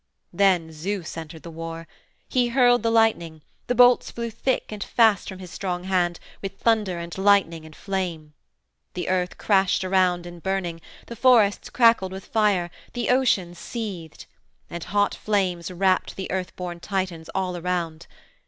Then Zeus entered the war. He hurled the lightning; the bolts flew thick and fast from his strong hand, with thunder and lightning and flame. The earth crashed around in burning, the forests crackled with fire, the ocean seethed. And hot flames wrapped the earth born Titans all around.